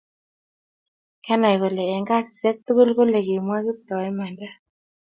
kianai kole eng' saishek tugul kole kimwae Kiptoo imanda